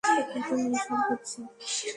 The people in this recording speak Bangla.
এখন, এই সব ঘটছে।